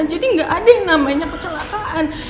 jadi gak ada yang namanya kecelakaan